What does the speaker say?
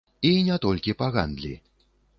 І не толькі па гандлі.